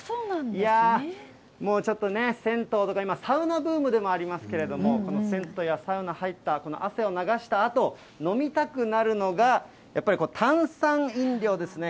いやー、もうちょっとね、銭湯とか今、サウナブームでもありますけれども、この銭湯やサウナ入ったあとの、汗を流したあと、飲みたくなるのが、やっぱり炭酸飲料ですね。